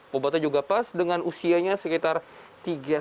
bobotnya juga pas dengan usianya sekitar tiga sampai empat bulan